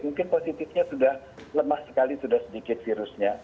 mungkin positifnya sudah lemah sekali sudah sedikit virusnya